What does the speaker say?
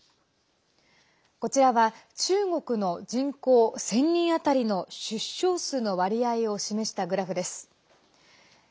こちらは、中国の人口１０００人当たりの出生数の割合を示したグラフです。